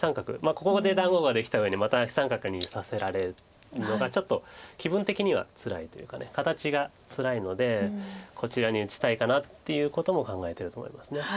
ここで団子ができたうえにまたアキ三角にさせられるのがちょっと気分的にはつらいというか形がつらいのでこちらに打ちたいかなっていうことも考えてると思います。